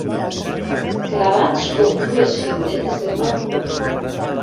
Clavats com dues figuretes de fang.